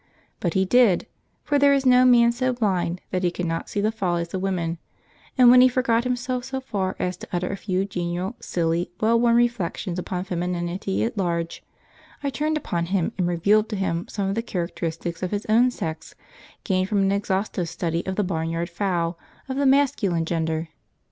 But he did; for there is no man so blind that he cannot see the follies of women; and, when he forgot himself so far as to utter a few genial, silly, well worn reflections upon femininity at large, I turned upon him and revealed to him some of the characteristics of his own sex, gained from an exhaustive study of the barnyard fowl of the masculine gender.